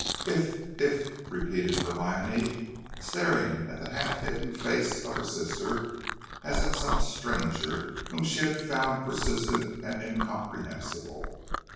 "If, if," repeated Hermione, staring at the half hidden face of her sister as at some stranger whom she had found persistent and incomprehensible.